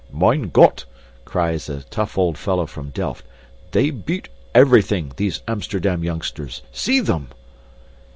"Mine Gott," cries a tough old fellow from Delft. "They beat everything, these Amsterdam youngsters. See them!"